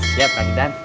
siap kang idan